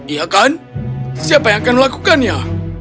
iya kan siapa yang akan melakukannya